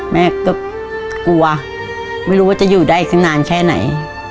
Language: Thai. แม่ก็กลัวไม่รู้ว่าจะอยู่ได้อีกสักนานแค่ไหน